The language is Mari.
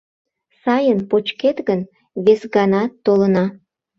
— Сайын почкет гын, вес ганат толына.